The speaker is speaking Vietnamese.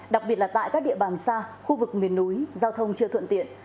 đặc biệt là tại các địa bàn xa khu vực miền núi giao thông chưa thuận tiện